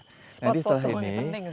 spot foto ini penting sekarang